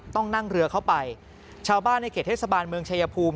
ต้องนั่งเรือเข้าไปชาวบ้านในเขตเทศบาลเมืองชายภูมิ